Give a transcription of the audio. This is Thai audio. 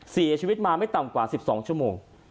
เสียชีวิตมาไม่ต่ำกว่า๑๒ชั่วโมง